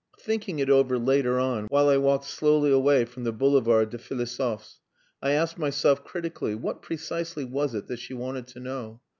Thinking it over, later on, while I walked slowly away from the Boulevard des Philosophes, I asked myself critically, what precisely was it that she wanted to know?